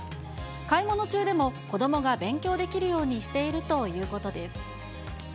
買い物中でも子どもが勉強できるようにしているということです。